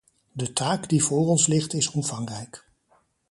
De taak die voor ons ligt is omvangrijk.